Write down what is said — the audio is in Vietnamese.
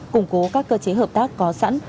củng cố các cơ chế hợp tác có sẵn